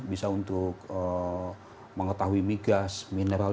bisa untuk mengetahui mi gas mineral